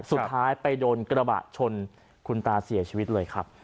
สุดท้ายไปโดนกระบะชนคุณตาเสียชีวิตเลยครับ